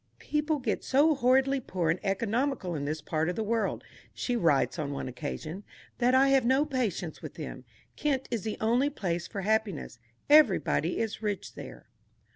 "People get so horridly poor and economical in this part of the world," she writes on one occasion, "that I have no patience with them. Kent is the only place for happiness; everybody is rich there."